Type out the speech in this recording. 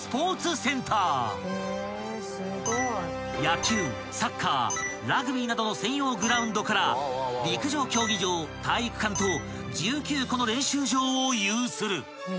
［野球サッカーラグビーなどの専用グラウンドから陸上競技場体育館と１９個の練習場を有する］